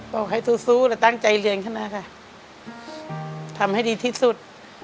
บอกให้สู้และตั้งใจเรียนขึ้นมาค่ะทำให้ดีที่สุด